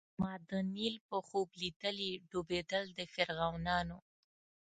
ما د نیل په خوب لیدلي ډوبېدل د فرعونانو